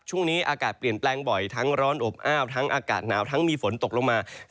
ช่วงนี้อากาศเปลี่ยนแปลงบ่อยทั้งร้อนอบอ้าวทั้งอากาศหนาวทั้งมีฝนตกลงมา